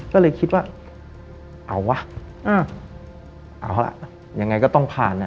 ก็เลยคิดว่าเอาวะเอาล่ะยังไงก็ต้องผ่านอ่ะ